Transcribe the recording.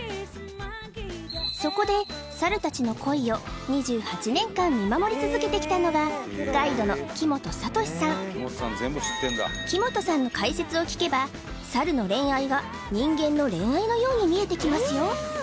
そこでサルたちの恋を２８年間見守り続けてきたのがガイドの木本智さん木本さんの解説を聞けばサルの恋愛が人間の恋愛のように見えてきますよ